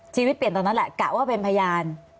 ชีวิตเปลี่ยนตอนนั้นแหละกะว่าเป็นพยาน